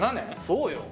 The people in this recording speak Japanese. そうよ